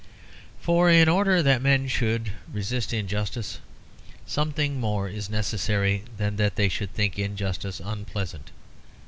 For, in order that men should resist injustice, something more is necessary than that they should think injustice unpleasant.